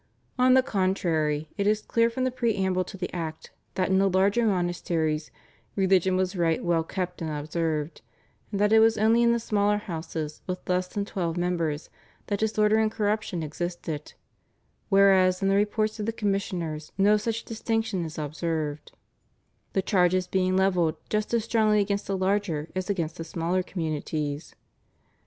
On the contrary, it is clear from the preamble to the Act that in the larger monasteries "religion was right well kept and observed," and that it was only in the smaller houses with less than twelve members that disorder and corruption existed, whereas in the reports of the commissioners no such distinction is observed, the charges being levelled just as strongly against the larger as against the smaller communities.